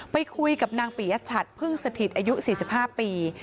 ไปคุยกับนางปิยชัดพึ่งสถิตอายุ๔๕ปี